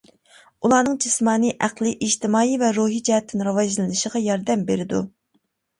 ئۇلارنىڭ جىسمانىي، ئەقلىي، ئىجتىمائىي ۋەروھى جەھەتتىن راۋاجلىنىشىغا ياردەم بېرىدۇ.